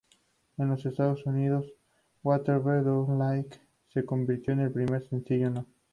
En los Estados Unidos "Whatever you like" se convirtió en el primer sencillo No.